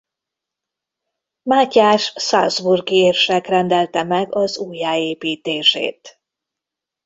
Mátyás salzburgi érsek rendelte meg az újjáépítését.